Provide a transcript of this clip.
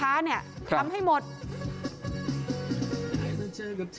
อายุน้อยกว่าเสียชัดเยอะมาก